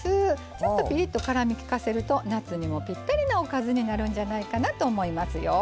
ちょっとピリッと辛みをきかせると夏にもぴったりのおかずになるんじゃないかと思います。